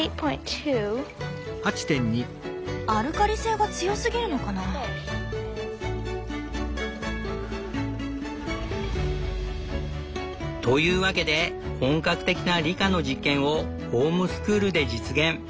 アルカリ性が強すぎるのかな？というわけで本格的な理科の実験をホームスクールで実現。